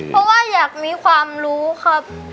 เพราะว่าอยากมีความรู้ครับ